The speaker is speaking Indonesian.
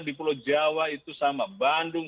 di pulau jawa itu sama bandung